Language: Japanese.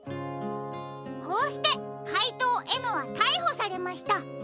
こうしてかいとうＭはたいほされました。